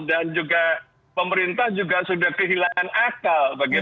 dan juga pemerintah sudah kehilangan akal